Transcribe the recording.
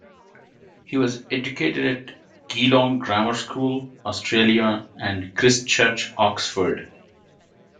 He was educated at Geelong Grammar School, Australia and Christ Church, Oxford.